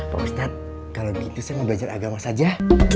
pak ustadz kalau begitu saya mau belajar agama saja